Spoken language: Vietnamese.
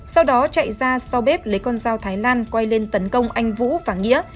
sau đó chạy ra so bếp lấy con dao thái lan quay lên tấn công anh vũ phản nghĩa